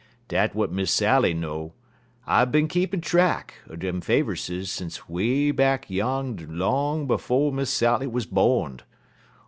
Dat w'at Miss Sally know. I bin keepin' track er dem Faverses sence way back yan' long 'fo' Miss Sally wuz born'd.